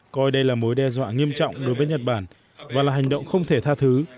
coi đây là mối đe dọa nghiêm trọng đối với nhật bản và là hành động không thể tha thứ